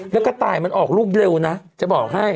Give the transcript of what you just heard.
แล้วกระต่ายมันออกรูปเร็วนะจะบอกให้